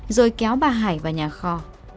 rồi kéo bà hải vào nhà kho